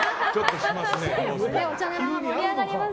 お茶の間が盛り上がります。